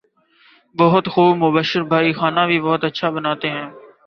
بہت خوب مبشر بھائی کھانا بھی بہت اچھا بناتے ہیں